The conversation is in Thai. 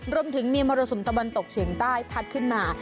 รวมถึงมีมรสุมตะวันตกเฉียงใต้พัดขึ้นมา